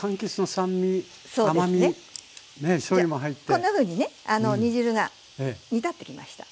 こんなふうにね煮汁が煮立ってきました。